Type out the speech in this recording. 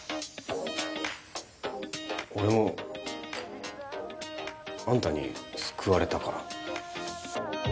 俺もあんたに救われたから。